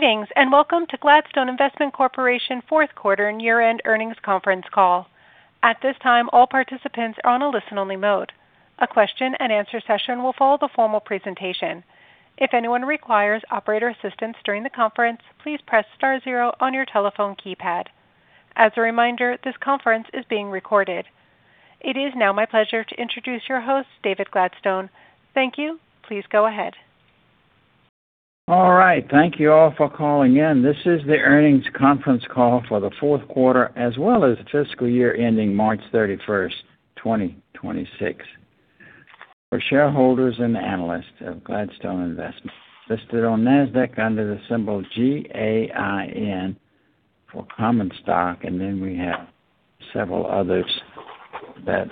Greetings, welcome to Gladstone Investment Corporation fourth quarter and year-end earnings conference call. At this time, all participants are on a listen-only mode. A question and answer session will follow the formal presentation. If anyone requires operator assistance during the conference, please press star zero on your telephone keypad. As a reminder, this conference is being recorded. It is now my pleasure to introduce your host, David Gladstone. Thank you. Please go ahead. All right. Thank you all for calling in. This is the earnings conference call for the fourth quarter as well as the fiscal year ending March 31st, 2026. For shareholders and analysts of Gladstone Investment listed on Nasdaq under the symbol GAIN for common stock. We have several others that,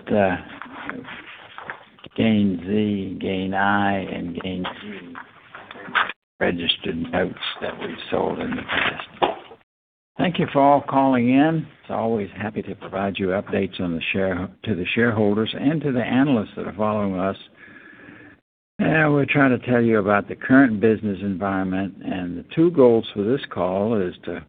GAIN Z, GAIN I, and GAIN G registered notes that we've sold in the past. Thank you for all calling in. It's always happy to provide you updates to the shareholders and to the analysts that are following us. We're trying to tell you about the current business environment. The two goals for this call is to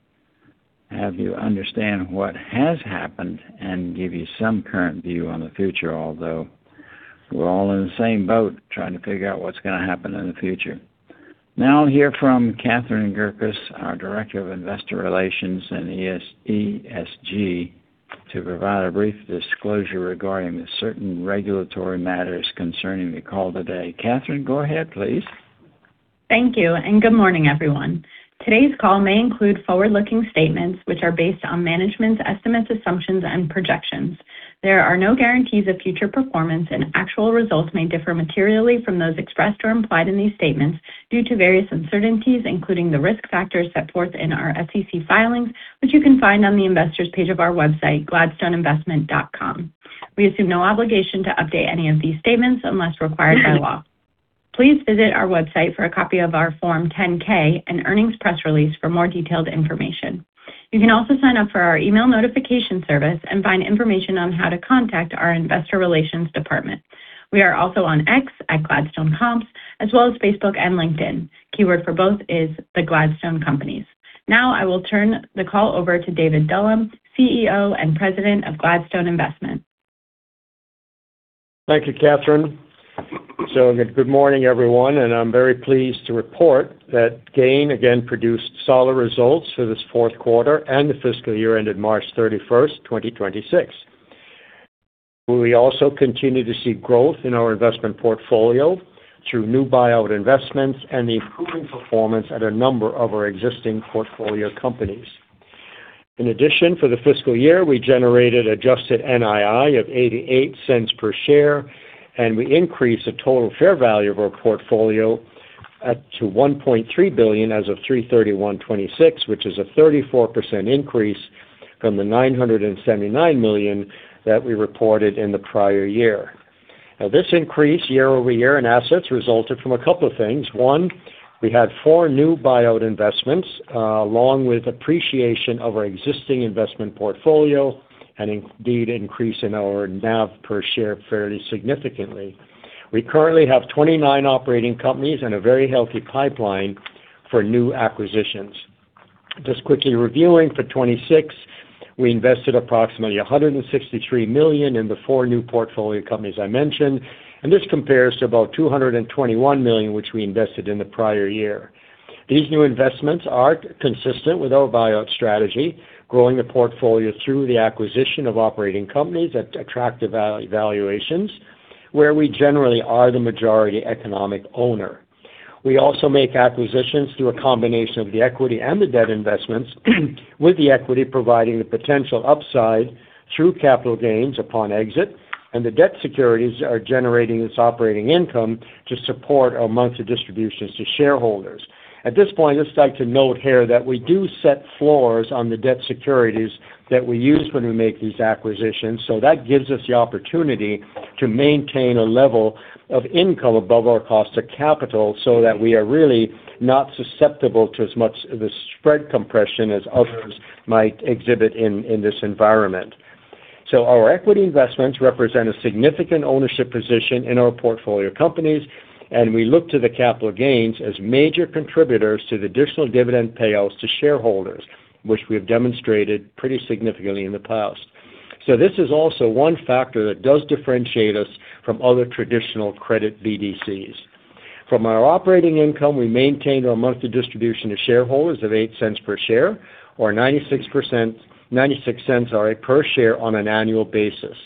have you understand what has happened and give you some current view on the future, although we're all in the same boat trying to figure out what's gonna happen in the future. I'll hear from Catherine Gerkis, our Director of Investor Relations and ESG, to provide a brief disclosure regarding the certain regulatory matters concerning the call today. Catherine, go ahead, please. Thank you, and good morning, everyone. Today's call may include forward-looking statements, which are based on management's estimates, assumptions, and projections. There are no guarantees of future performance, and actual results may differ materially from those expressed or implied in these statements due to various uncertainties, including the risk factors set forth in our SEC filings, which you can find on the Investors page of our website, gladstoneinvestment.com. We assume no obligation to update any of these statements unless required by law. Please visit our website for a copy of our Form 10-K and earnings press release for more detailed information. You can also sign up for our email notification service and find information on how to contact our investor relations department. We are also on X at Gladstone Companies, as well as Facebook and LinkedIn. Keyword for both is The Gladstone Companies. Now I will turn the call over to David Dullum, CEO and President of Gladstone Investment. Thank you, Catherine. Good morning, everyone, and I'm very pleased to report that GAIN again produced solid results for this fourth quarter and the fiscal year ended March 31, 2026. We also continue to see growth in our investment portfolio through new buyout investments and the improving performance at a number of our existing portfolio companies. In addition, for the fiscal year, we generated adjusted NII of $0.88 per share, and we increased the total fair value of our portfolio up to $1.3 billion as of March 31, 2026, which is a 34% increase from the $979 million that we reported in the prior year. This increase year-over-year in assets resulted from a couple of things. One, we had four new buyout investments, along with appreciation of our existing investment portfolio and indeed increase in our NAV per share fairly significantly. We currently have 29 operating companies and a very healthy pipeline for new acquisitions. Just quickly reviewing, for 2026, we invested approximately $163 million in the four new portfolio companies I mentioned, and this compares to about $221 million, which we invested in the prior year. These new investments are consistent with our buyout strategy, growing the portfolio through the acquisition of operating companies at attractive valuations, where we generally are the majority economic owner. We also make acquisitions through a combination of the equity and the debt investments, with the equity providing the potential upside through capital gains upon exit, and the debt securities are generating this operating income to support our monthly distributions to shareholders. At this point, I'd just like to note here that we do set floors on the debt securities that we use when we make these acquisitions. That gives us the opportunity to maintain a level of income above our cost of capital so that we are really not susceptible to as much of a spread compression as others might exhibit in this environment. Our equity investments represent a significant ownership position in our portfolio companies, and we look to the capital gains as major contributors to the additional dividend payouts to shareholders, which we have demonstrated pretty significantly in the past. This is also one factor that does differentiate us from other traditional credit BDCs. From our operating income, we maintained our monthly distribution to shareholders of $0.08 per share or $0.96 per share on an annual basis.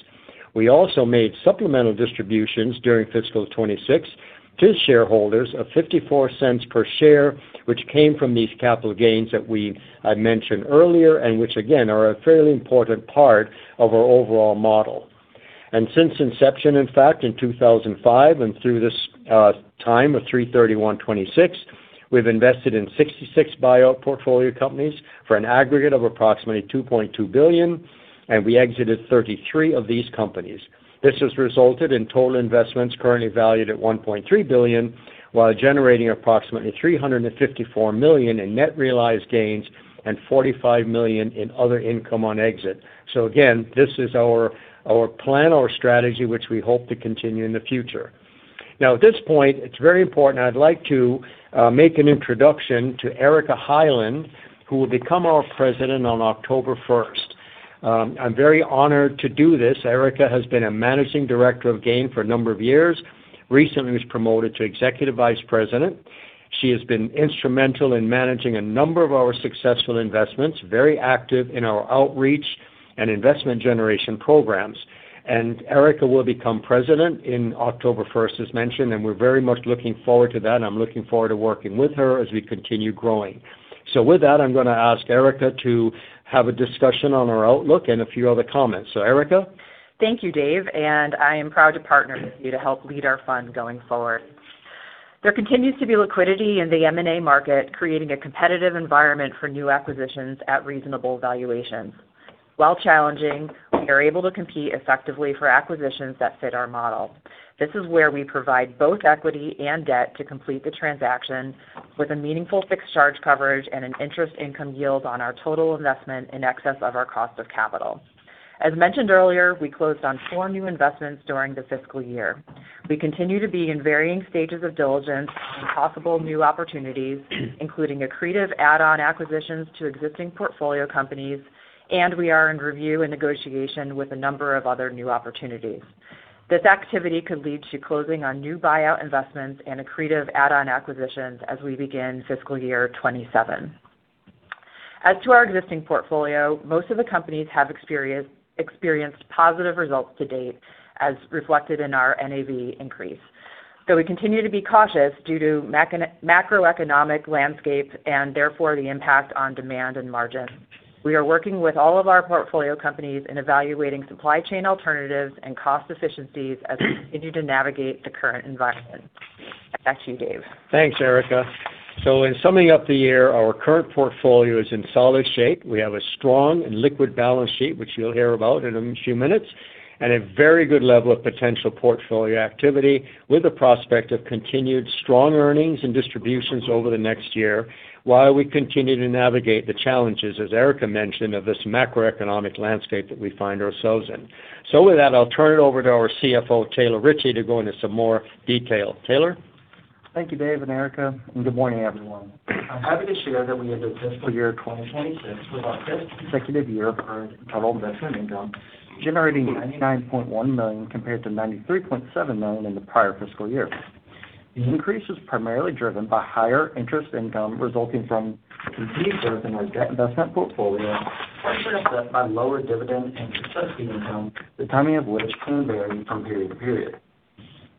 We also made supplemental distributions during fiscal 2026 to shareholders of $0.54 per share, which came from these capital gains that I mentioned earlier and which again are a fairly important part of our overall model. Since inception, in fact, in 2005 and through this time of 3/31/2026, we've invested in 66 buyout portfolio companies for an aggregate of approximately $2.2 billion, and we exited 33 of these companies. This has resulted in total investments currently valued at $1.3 billion, while generating approximately $354 million in net realized gains and $45 million in other income on exit. Again, this is our plan, our strategy, which we hope to continue in the future. At this point, it's very important, I'd like to make an introduction to Erika Highland, who will become our President on October 1st. I'm very honored to do this. Erika has been a managing director of GAIN for a number of years. Recently was promoted to Executive Vice President. She has been instrumental in managing a number of our successful investments, very active in our outreach and investment generation programs. Erika will become President in October 1st, as mentioned, and we're very much looking forward to that, and I'm looking forward to working with her as we continue growing. With that, I'm going to ask Erika to have a discussion on our outlook and a few other comments. Erika. Thank you, Dave, and I am proud to partner with you to help lead our fund going forward. There continues to be liquidity in the M&A market, creating a competitive environment for new acquisitions at reasonable valuations. While challenging, we are able to compete effectively for acquisitions that fit our model. This is where we provide both equity and debt to complete the transaction with a meaningful fixed charge coverage and an interest income yield on our total investment in excess of our cost of capital. As mentioned earlier, we closed on four new investments during the fiscal year. We continue to be in varying stages of diligence on possible new opportunities, including accretive add-on acquisitions to existing portfolio companies, and we are in review and negotiation with a number of other new opportunities. This activity could lead to closing on new buyout investments and accretive add-on acquisitions as we begin fiscal year 2027. As to our existing portfolio, most of the companies have experienced positive results to date, as reflected in our NAV increase. Though we continue to be cautious due to macroeconomic landscape and therefore the impact on demand and margin. We are working with all of our portfolio companies in evaluating supply chain alternatives and cost efficiencies as we continue to navigate the current environment. Back to you, Dave. Thanks, Erika. In summing up the year, our current portfolio is in solid shape. We have a strong and liquid balance sheet, which you'll hear about in a few minutes, and a very good level of potential portfolio activity with the prospect of continued strong earnings and distributions over the next year while we continue to navigate the challenges, as Erika mentioned, of this macroeconomic landscape that we find ourselves in. With that, I'll turn it over to our CFO, Taylor Ritchie, to go into some more detail. Taylor. Thank you, Dave and Erika, good morning, everyone. I'm happy to share that we ended fiscal year 2026 with our 5th consecutive year of earned total investment income, generating $99.1 million compared to $93.7 million in the prior fiscal year. The increase was primarily driven by higher interest income resulting from continued growth in our debt investment portfolio, partially offset by lower dividend and success fee income, the timing of which can vary from period to period.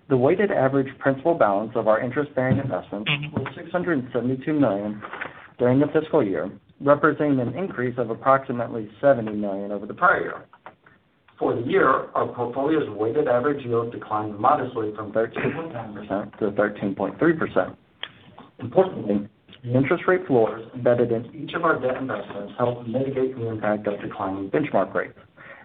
The weighted average principal balance of our interest-bearing investments was $672 million during the fiscal year, representing an increase of approximately $70 million over the prior year. For the year, our portfolio's weighted average yield declined modestly from 13.9% to 13.3%. Importantly, the interest rate floors embedded in each of our debt investments helped mitigate the impact of declining benchmark rates,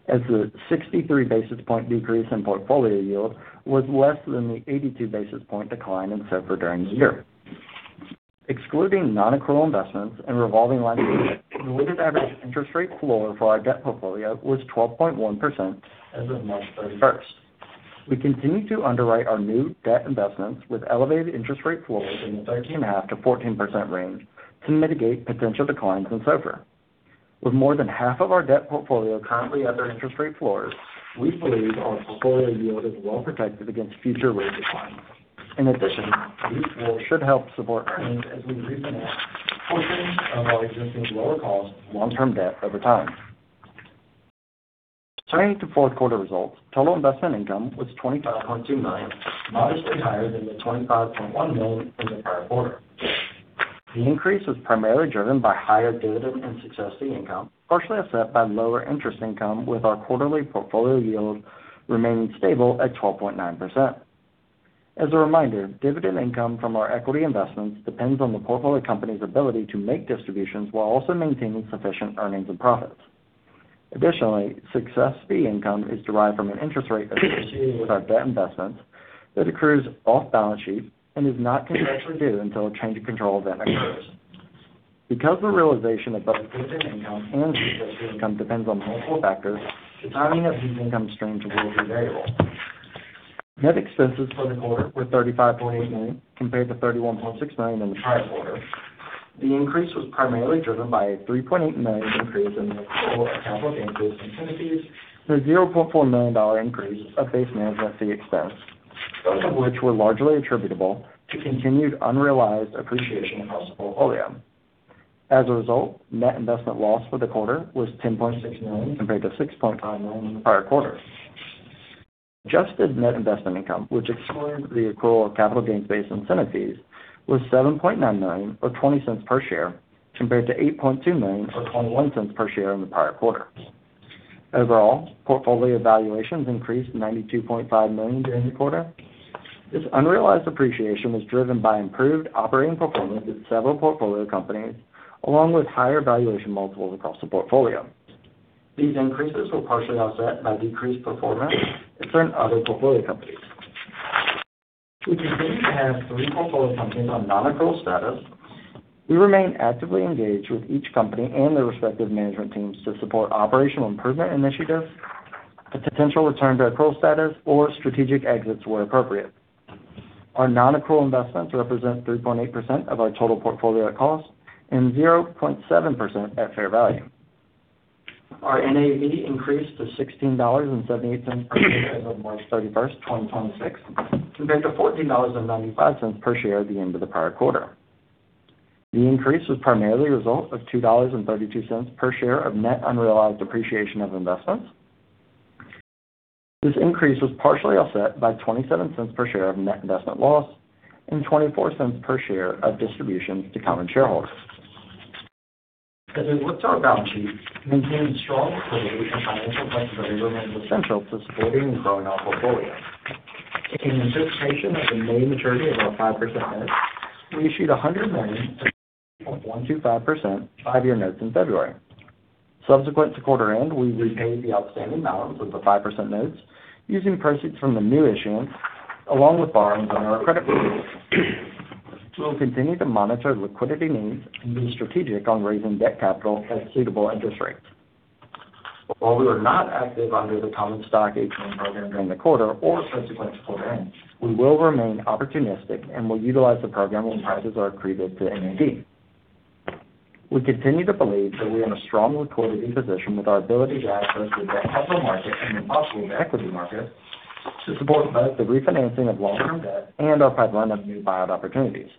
as the 63 basis point decrease in portfolio yield was less than the 82 basis point decline in SOFR during the year. Excluding non-accrual investments and revolving lines of credit, the weighted average interest rate floor for our debt portfolio was 12.1% as of March 31st. We continue to underwrite our new debt investments with elevated interest rate floors in the 13.5%-14% range to mitigate potential declines in SOFR. With more than half of our debt portfolio currently under interest rate floors, we believe our portfolio yield is well protected against future rate declines. In addition, these floors should help support earnings as we refinance portions of our existing lower cost long-term debt over time. Turning to fourth quarter results, total investment income was $25.2 million, modestly higher than the $25.1 million in the prior quarter. The increase was primarily driven by higher dividend and success fee income, partially offset by lower interest income with our quarterly portfolio yield remaining stable at 12.9%. As a reminder, dividend income from our equity investments depends on the portfolio company's ability to make distributions while also maintaining sufficient earnings and profits. Additionally, success fee income is derived from an interest rate associated with our debt investments that accrues off balance sheet and is not contractually due until a change of control event occurs. Because the realization of both dividend income and success fee income depends on multiple factors, the timing of these income streams will be variable. Net expenses for the quarter were $35.8 million, compared to $31.6 million in the prior quarter. The increase was primarily driven by a $3.8 million increase in the accrual of capital gains incentive fees and a $0.4 million dollar increase of base management fee expense, both of which were largely attributable to continued unrealized appreciation in our portfolio. As a result, net investment loss for the quarter was $10.6 million compared to $6.5 million in the prior quarter. Adjusted net investment income, which excludes the accrual of capital gains-based incentive fees, was $7.9 million, or $0.20 per share, compared to $8.2 million or $0.21 per share in the prior quarter. Overall, portfolio valuations increased $92.5 million during the quarter. This unrealized appreciation was driven by improved operating performance in several portfolio companies, along with higher valuation multiples at cost the portfolio. These increases were partially offset by decreased performance in certain other portfolio companies. We continue to have three portfolio companies on non-accrual status. We remain actively engaged with each company and their respective management teams to support operational improvement initiatives, a potential return to accrual status, or strategic exits where appropriate. Our non-accrual investments represent 3.8% of our total portfolio at cost and 0.7% at fair value. Our NAV increased to $16.78 per share as of March 31st, 2026, compared to $14.95 per share at the end of the prior quarter. The increase was primarily a result of $2.32 per share of net unrealized appreciation of investments. This increase was partially offset by $0.27 per share of net investment loss and $0.24 per share of distributions to common shareholders. As we look to our balance sheet, maintaining strong liquidity and financial flexibility remains essential to supporting and growing our portfolio. In anticipation of the main maturity of our 5% notes, we issued $100 million at 2.125% 5-year notes in February. Subsequent to quarter end, we repaid the outstanding balance of the 5% notes using proceeds from the new issuance along with borrowings on our credit facilities. We'll continue to monitor liquidity needs and be strategic on raising debt capital at suitable interest rates. While we were not active under the common stock ATM program during the quarter or subsequent to quarter end, we will remain opportunistic and will utilize the program when prices are accretive to NAV. We continue to believe that we're in a strong liquidity position with our ability to access the debt capital market and when possible, the equity market to support both the refinancing of long-term debt and our pipeline of new buyout opportunities.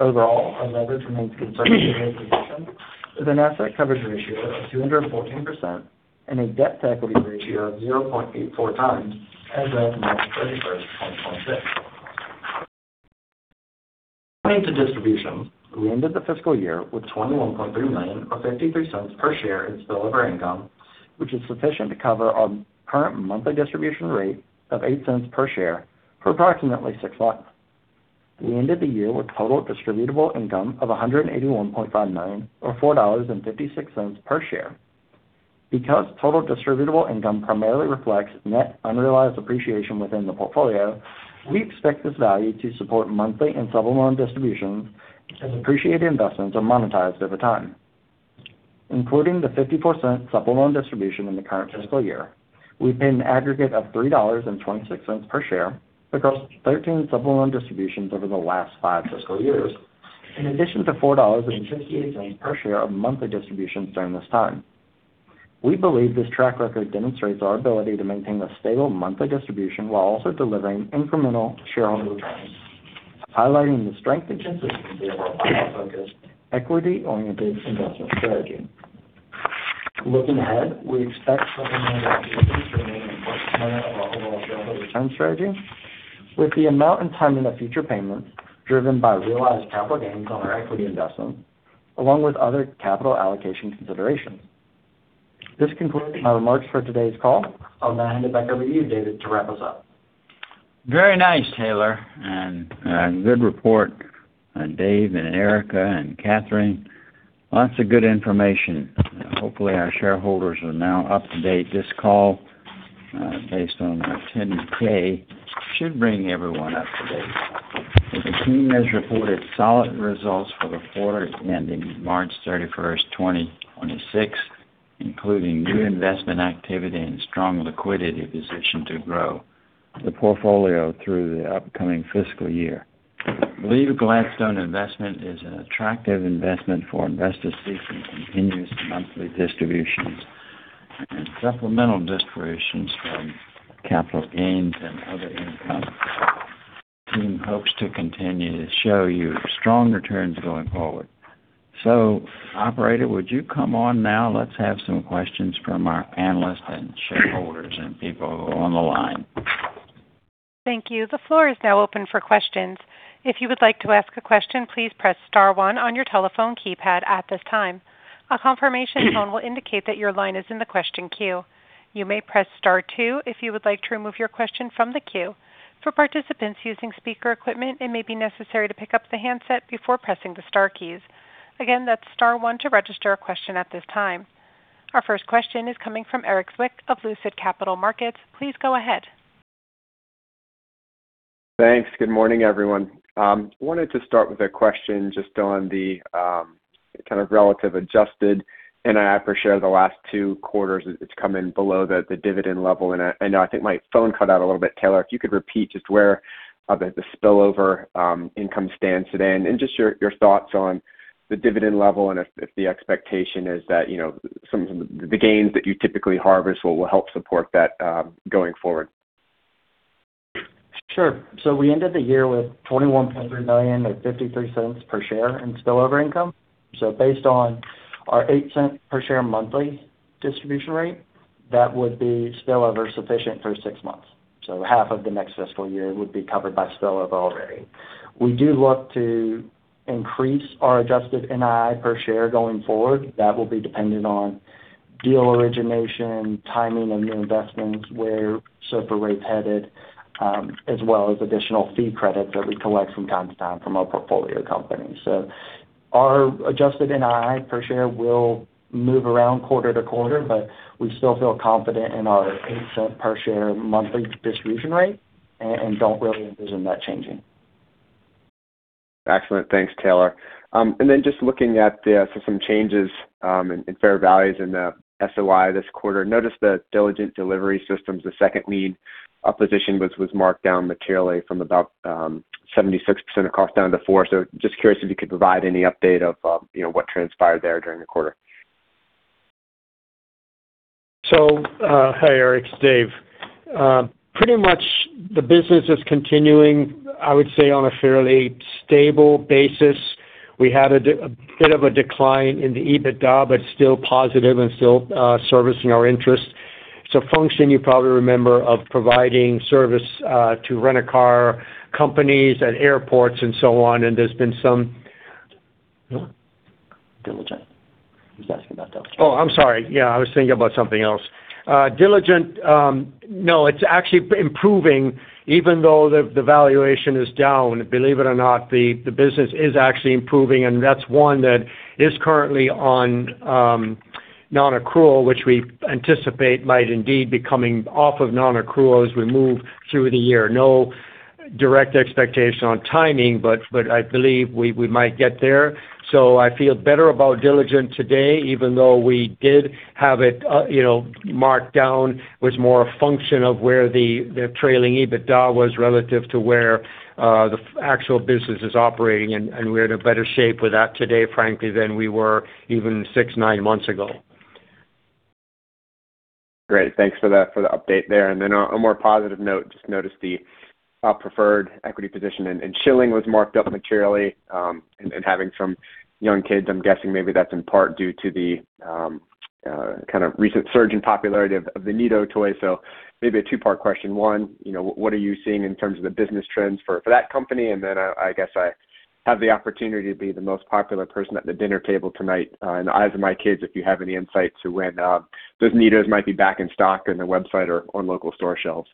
Overall, our leverage remains conservative in position with an asset coverage ratio of 214% and a debt-to-equity ratio of 0.84 times as of March 31, 2026. Turning to distributions, we ended the fiscal year with $21.3 million or $0.53 per share in spillover income, which is sufficient to cover our current monthly distribution rate of $0.08 per share for approximately six months. We ended the year with total distributable income of $181.5 million or $4.56 per share. Because total distributable income primarily reflects net unrealized appreciation within the portfolio, we expect this value to support monthly and supplemental distributions as appreciated investments are monetized over time. Including the $0.54 supplemental distribution in the current fiscal year, we paid an aggregate of $3.26 per share across 13 supplemental distributions over the last five fiscal years, in addition to $4.58 per share of monthly distributions during this time. We believe this track record demonstrates our ability to maintain a stable monthly distribution while also delivering incremental shareholder returns, highlighting the strength and consistency of our value-focused, equity-oriented investment strategy. Looking ahead, we expect supplemental distributions to remain an important component of our overall shareholder return strategy, with the amount and timing of future payments driven by realized capital gains on our equity investments along with other capital allocation considerations. This concludes my remarks for today's call. I'll now hand it back over to you, David, to wrap us up. Very nice, Taylor, and good report, Dave and Erika and Catherine. Lots of good information. Hopefully, our shareholders are now up to date. This call, based on our 10-K, should bring everyone up to date. The team has reported solid results for the quarter ending March 31st, 2026, including new investment activity and strong liquidity position to grow the portfolio through the upcoming fiscal year. I believe Gladstone Investment is an attractive investment for investors seeking continuous monthly distributions and supplemental distributions from capital gains and other income. Team hopes to continue to show you strong returns going forward. Operator, would you come on now? Let's have some questions from our analysts and shareholders and people on the line. Thank you. The floor is now open for questions. If you would like to ask a question, please press star one on your telephone keypad at this time. A confirmation tone will indicate that your line is in the question queue. You may press star two if you would like to remove your question from the queue. For participants using speaker equipment, it may be necessary to pick up the handset before pressing the star keys. Again, that's star one to register a question at this time. Our first question is coming from Erik Zwick of Lucid Capital Markets. Please go ahead. Thanks. Good morning, everyone. Wanted to start with a question just on the kind of relative adjusted NII per share the last 2Q it's come in below the dividend level. I know I think my phone cut out a little bit, Taylor. If you could repeat just where the spillover income stands today and just your thoughts on the dividend level and if the expectation is that, you know, some of the gains that you typically harvest will help support that going forward. Sure. We ended the year with $21.3 million or $0.53 per share in spillover income. Based on our $0.08 per share monthly distribution rate, that would be spillover sufficient for six months. Half of the next fiscal year would be covered by spillover already. We do look to increase our adjusted NII per share going forward. That will be dependent on deal origination, timing of new investments, where SOFR rate's headed, as well as additional fee credits that we collect from time to time from our portfolio companies. Our adjusted NII per share will move around quarter-to-quarter, but we still feel confident in our $0.08 per share monthly distribution rate and don't really envision that changing. Excellent. Thanks, Taylor. Just looking at the-- so some changes in fair values in the SOI this quarter. Noticed that Diligent Delivery Systems, the second lead position was marked down materially from about 76% across down to four. Just curious if you could provide any update of, you know, what transpired there during the quarter? Hi, Erik, it's Dave. Pretty much the business is continuing, I would say, on a fairly stable basis. We had a bit of a decline in the EBITDA, but still positive and still servicing our interest. It's a function you probably remember of providing service to rent a car, companies at airports and so on, and there's been some Diligent. He's asking about Diligent. I'm sorry. I was thinking about something else. Diligent, it's actually improving even though the valuation is down. Believe it or not, the business is actually improving, that's one that is currently on non-accrual, which we anticipate might indeed be coming off of non-accrual as we move through the year. No direct expectation on timing, I believe we might get there. I feel better about Diligent today, even though we did have it, you know, marked down, was more a function of where the trailing EBITDA was relative to where the actual business is operating. We're in a better shape with that today, frankly, than we were even six, nine months ago. Great. Thanks for that, for the update there. Then on a more positive note, just noticed the preferred equity position in Schylling was marked up materially, and having some young kids, I'm guessing maybe that's in part due to the kind of recent surge in popularity of the NeeDoh toy. Maybe a two-part question. One, you know, what are you seeing in terms of the business trends for that company? Then, I guess I have the opportunity to be the most popular person at the dinner table tonight, in the eyes of my kids, if you have any insight to when those NeeDohs might be back in stock on the website or local store shelves.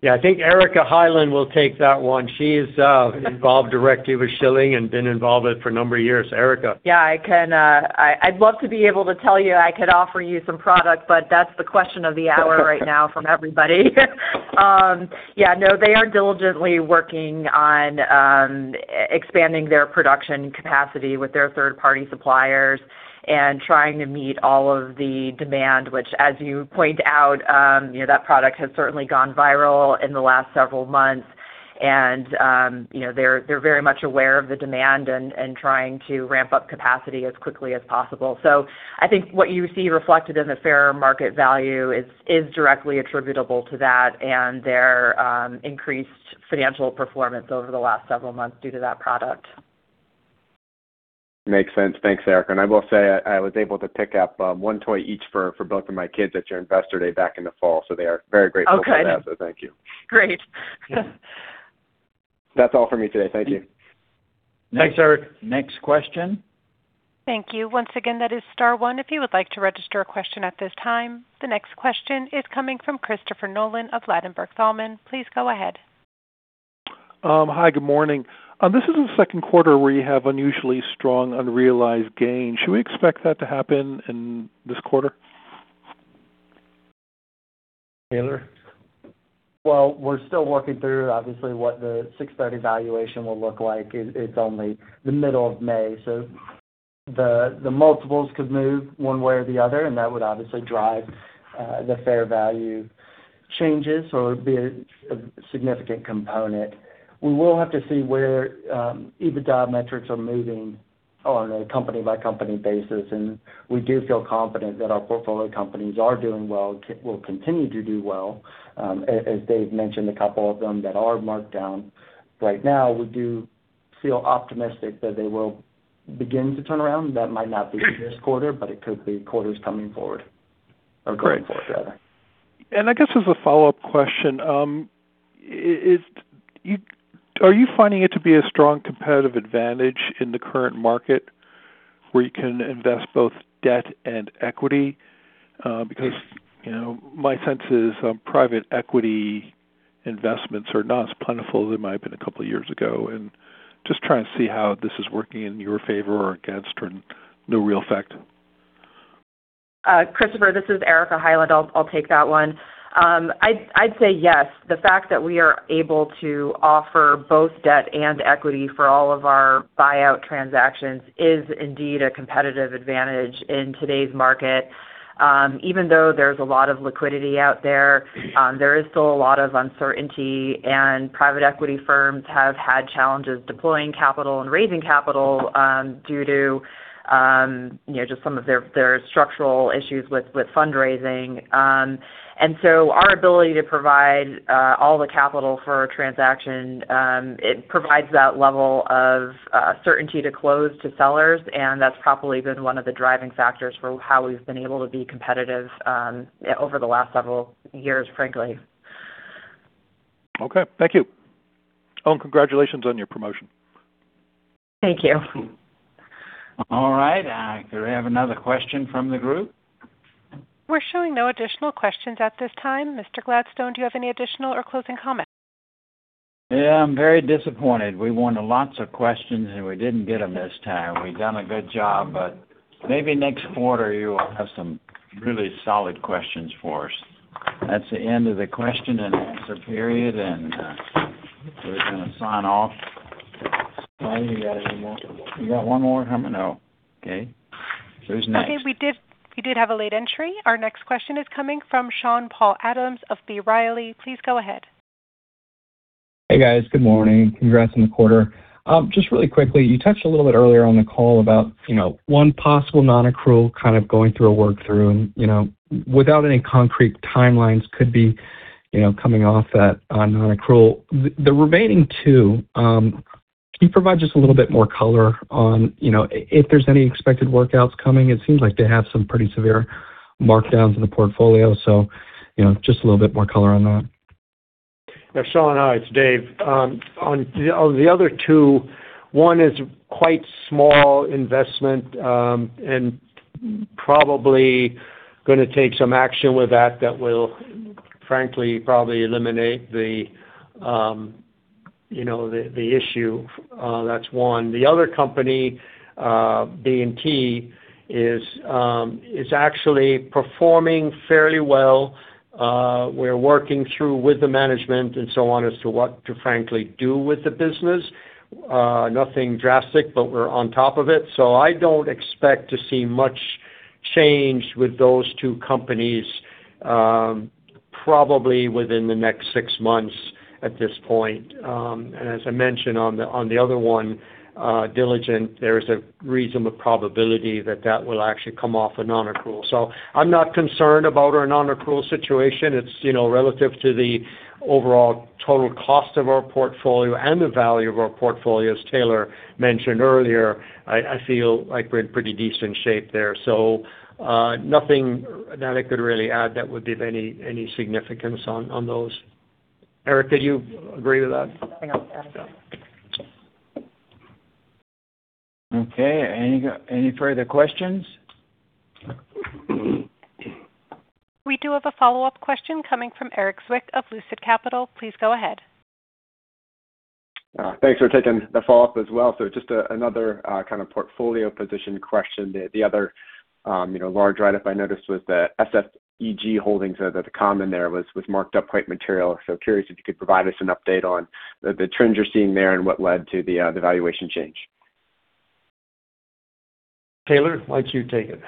Yeah. I think Erika Highland will take that one. She is involved directly with Schylling and been involved with for a number of years. Erika. Yeah, I can, I'd love to be able to tell you I could offer you some product, that's the question of the hour right now from everybody. Yeah, no, they are diligently working on expanding their production capacity with their third-party suppliers and trying to meet all of the demand, which as you point out, you know, that product has certainly gone viral in the last several months. You know, they're very much aware of the demand and trying to ramp up capacity as quickly as possible. I think what you see reflected in the fair market value is directly attributable to that and their increased financial performance over the last several months due to that product. Makes sense. Thanks, Erika. I will say, I was able to pick up one toy each for both of my kids at your investor day back in the fall. They are very grateful for that. Oh, good. Thank you. Great. That's all for me today. Thank you. Thanks, Erik. Next question. Thank you. Once again, that is star one if you would like to register a question at this time. The next question is coming from Christopher Nolan of Ladenburg Thalmann. Please go ahead. Hi, good morning. This is the second quarter where you have unusually strong unrealized gains. Should we expect that to happen in this quarter? Taylor? We're still working through, obviously, what the 6/30 valuation will look like. It's only the middle of May, so the multiples could move one way or the other, and that would obviously drive the fair value changes, or be a significant component. We will have to see where EBITDA metrics are moving on a company-by-company basis, and we do feel confident that our portfolio companies are doing well, will continue to do well. As David mentioned, a couple of them that are marked down right now, we do feel optimistic that they will begin to turn around. That might not be this quarter, but it could be quarters coming forward or going forward, rather. Great. I guess as a follow-up question, are you finding it to be a strong competitive advantage in the current market where you can invest both debt and equity? Because, you know, my sense is, private equity investments are not as plentiful as they might have been a couple of years ago. Just trying to see how this is working in your favor or against or no real effect. Christopher, this is Erika Highland. I'll take that one. I'd say yes. The fact that we are able to offer both debt and equity for all of our buyout transactions is indeed a competitive advantage in today's market. Even though there's a lot of liquidity out there is still a lot of uncertainty, and private equity firms have had challenges deploying capital and raising capital, due to, you know, just some of their structural issues with fundraising. Our ability to provide all the capital for a transaction, it provides that level of certainty to close to sellers, and that's probably been one of the driving factors for how we've been able to be competitive over the last several years, frankly. Okay. Thank you. Oh, congratulations on your promotion. Thank you. All right. Do we have another question from the group? We're showing no additional questions at this time. Mr. Gladstone, do you have any additional or closing comments? Yeah, I'm very disappointed. We wanted lots of questions, and we didn't get them this time. We've done a good job, but maybe next quarter you will have some really solid questions for us. That's the end of the question and answer period, and we're gonna sign off. Sorry, we got one more. We got one more coming? Oh, okay. Who's next? Okay. We did have a late entry. Our next question is coming from Sean-Paul Adams of B. Riley. Please go ahead. Hey, guys. Good morning. Congrats on the quarter. Just really quickly, you touched a little bit earlier on the call about, you know, one possible non-accrual kind of going through a work through. You know, without any concrete timelines could be, you know, coming off that non-accrual. The remaining two, can you provide just a little bit more color on, you know, if there's any expected workouts coming? It seems like they have some pretty severe markdowns in the portfolio. You know, just a little bit more color on that. Yeah, Sean, hi, it's Dave. On the other two, one is quite small investment, and probably gonna take some action with that that will, frankly, probably eliminate the, you know, the issue. That's one. The other company, B&T, is actually performing fairly well. We're working through with the management and so on as to what to frankly do with the business. Nothing drastic, we're on top of it. I don't expect to see much change with those two companies, probably within the next six months at this point. As I mentioned on the other one, Diligent, there is a reasonable probability that that will actually come off a non-accrual. I'm not concerned about our non-accrual situation. It's, you know, relative to the overall total cost of our portfolio and the value of our portfolio. As Taylor mentioned earlier, I feel like we're in pretty decent shape there. Nothing that I could really add that would be of any significance on those. Erika, did you agree with that? Nothing else to add. Okay. Any further questions? We do have a follow-up question coming from Erik Zwick of Lucid Capital. Please go ahead. Thanks for taking the follow-up as well. Just another kind of portfolio position question. The other, you know, large write-up I noticed was the SEG Holding that the common there was marked up quite material. Curious if you could provide us an update on the trends you're seeing there and what led to the valuation change. Taylor, why don't you take it?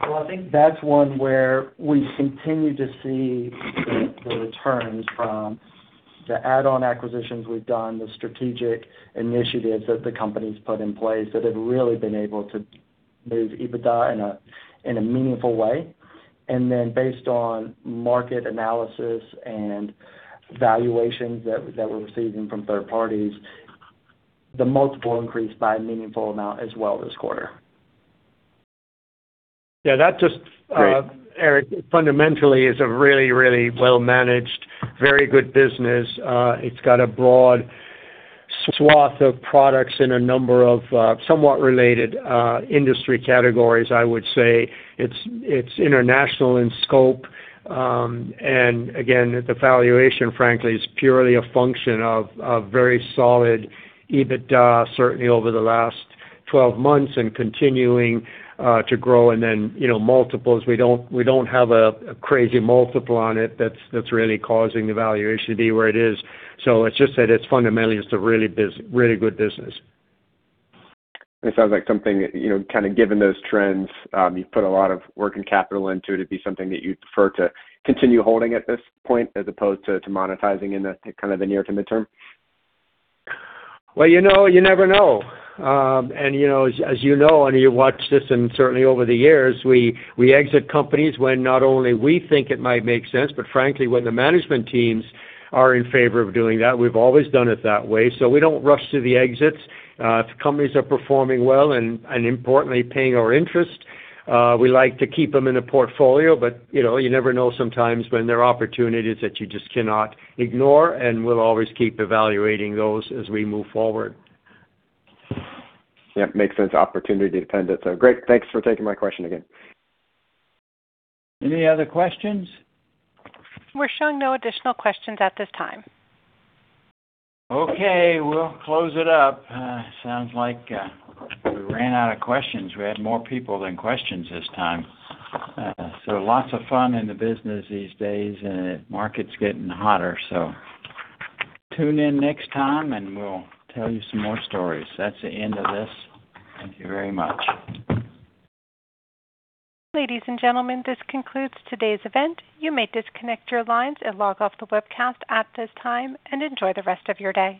Well, I think that's one where we continue to see the returns from the add-on acquisitions we've done, the strategic initiatives that the company's put in place that have really been able to move EBITDA in a meaningful way. Based on market analysis and valuations that we're receiving from third parties, the multiple increased by a meaningful amount as well this quarter. Yeah. Great. Erik, fundamentally is a really, really well-managed, very good business. It's got a broad swath of products in a number of somewhat related industry categories, I would say. It's, it's international in scope. And again, the valuation, frankly, is purely a function of very solid EBITDA, certainly over the last 12 months and continuing to grow. You know, multiples, we don't have a crazy multiple on it that's really causing the valuation to be where it is. It's just that it's fundamentally, it's a really good business. It sounds like something, you know, kind of given those trends, you put a lot of working capital into it'd be something that you'd prefer to continue holding at this point as opposed to monetizing in the kind of the near to midterm. You know, you never know. You know, as you know, and you watched this and certainly over the years, we exit companies when not only we think it might make sense, but frankly, when the management teams are in favor of doing that. We've always done it that way. We don't rush to the exits. If companies are performing well and importantly paying our interest, we like to keep them in the portfolio. You know, you never know sometimes when there are opportunities that you just cannot ignore, and we'll always keep evaluating those as we move forward. Yep, makes sense. Opportunity dependent. Great. Thanks for taking my question again. Any other questions? We're showing no additional questions at this time. Okay. We'll close it up. Sounds like we ran out of questions. We had more people than questions this time. Lots of fun in the business these days, and the market's getting hotter. Tune in next time, and we'll tell you some more stories. That's the end of this. Thank you very much. Ladies and gentlemen, this concludes today's event. You may disconnect your lines and log off the webcast at this time, and enjoy the rest of your day.